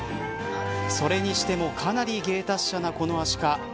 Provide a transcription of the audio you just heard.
それにしてもかなり芸達者なこのアシカ。